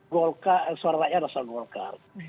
golkar suara rakyat suara golkar